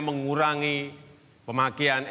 untuk bapak bagian ini